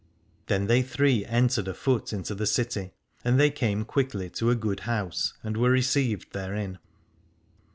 Then they three entered afoot into the city, and they came quickly to a good house and were received therein.